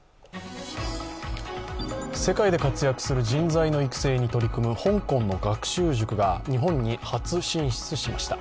世界で活躍する人材の育成に取り組む香港の学習塾が日本に初進出しました。